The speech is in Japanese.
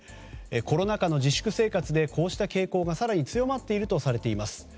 コロナ禍の自粛生活でこうした傾向が更に強まっているとされています。